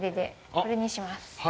これにします。